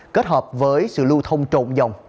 kết hợp với sự lưu thông trộn dòng